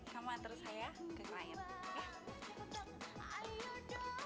kamu anter saya ke client